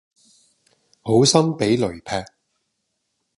好心俾雷劈